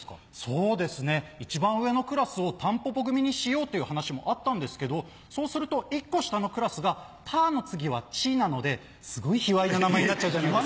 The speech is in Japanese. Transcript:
そうですね一番上のクラスをたんぽぽ組にしようっていう話もあったんですけどそうすると１個下のクラスが「た」の次は「ち」なのですごい卑猥な名前になっちゃうじゃないですか。